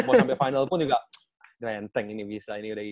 mau sampe final pun juga gila enteng ini bisa ini udah gitu